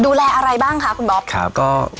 อะไรบ้างคะคุณบ๊อบ